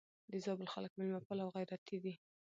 د زابل خلک مېلمه پال او غيرتي دي.